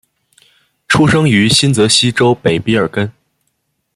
出生于新泽西州北卑尔根。